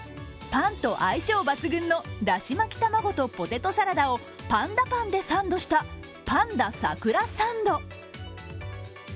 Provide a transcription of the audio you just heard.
パンと相性抜群のだし巻き玉子とポテトサラダをパンダパンでサンドしたパンダ桜サンド。